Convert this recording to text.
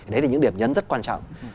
đấy là những điểm nhấn rất quan trọng